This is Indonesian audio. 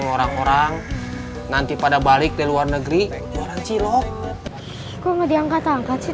orang orang nanti pada balik di luar negeri orang cilok kok nggak diangkat angkat sih